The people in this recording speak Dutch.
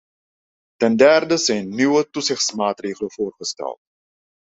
Ten derde zijn nieuwe toezichtmaatregelen voorgesteld.